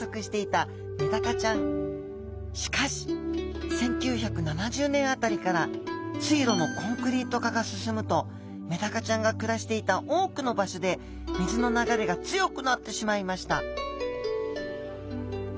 しかし１９７０年あたりから水路のコンクリート化が進むとメダカちゃんが暮らしていた多くの場所で水の流れが強くなってしまいました